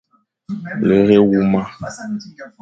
Lere éwuma.